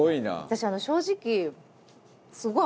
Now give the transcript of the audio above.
私正直。